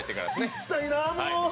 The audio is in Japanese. いったいな、もう。